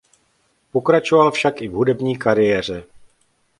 Pokračoval však i v hudební kariéře.